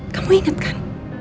kamu inget kan